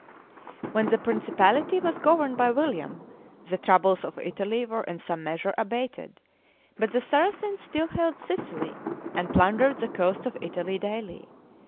When the principality was governed by William, the troubles of Italy were in some measure abated; but the Saracens still held Sicily, and plundered the coasts of Italy daily.